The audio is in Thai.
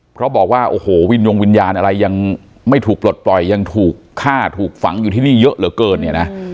เพราะบอกว่าโอ้โหวินยงวิญญาณอะไรยังไม่ถูกปลดปล่อยยังถูกฆ่าถูกฝังอยู่ที่นี่เยอะเหลือเกินเนี่ยนะ